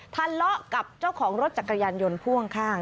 ทะเลาะกับเจ้าของรถจักรยานยนต์พ่วงข้าง